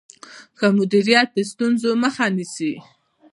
ښه مدیریت د ستونزو مخه نیسي.